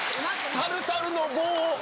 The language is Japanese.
タルタルの棒！